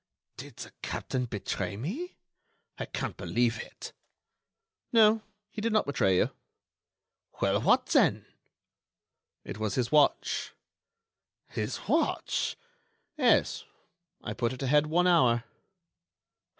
"Did the captain betray me? I can't believe it." "No, he did not betray you." "Well, what then?" "It was his watch." "His watch?" "Yes, I put it ahead one hour."